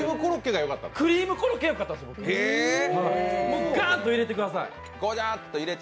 もうガーッと入れてください。